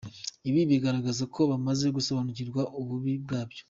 Ibi bigaragaza ko bamaze gusobanukirwa ububi bwabyo."